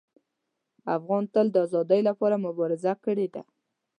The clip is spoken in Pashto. افغان تل د ازادۍ لپاره مبارزه کړې ده.